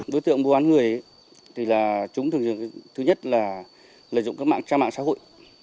đối tượng mua bán người thì là chúng thường thứ nhất là lợi dụng các mạng trang mạng xã hội